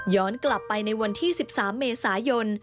กลับไปในวันที่๑๓เมษายน